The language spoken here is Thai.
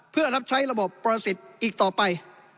เพื่อรับใช้ระบบประสิทธิ์อีกต่อไป